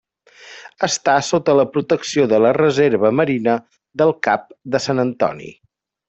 Està sota la protecció de la Reserva marina del Cap de Sant Antoni.